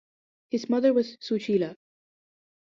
His mother was Sushila.